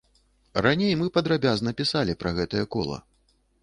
Раней мы падрабязна пісалі пра гэтае кола.